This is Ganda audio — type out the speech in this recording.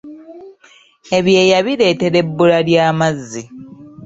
Ebyeeya bireetera ebbula ly'amazzi .